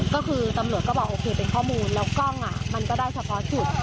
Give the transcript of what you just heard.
ก็คือตำรวจก็บอกโอเคเป็นข้อมูลแล้วกล้องมันก็ได้เฉพาะจุด